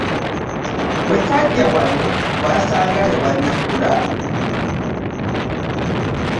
Bwe twajja wano twasanga tewannakula.